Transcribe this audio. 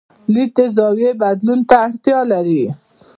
لید د زاویې بدلون ته اړتیا لري.